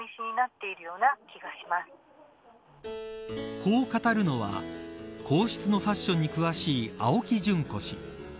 こう語るのは皇室のファッションに詳しい青木淳子氏。